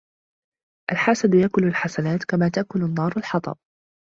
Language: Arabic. الْحَسَدُ يَأْكُلُ الْحَسَنَاتِ كَمَا تَأْكُلُ النَّارُ الْحَطَبَ